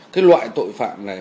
cái loại tội phạm này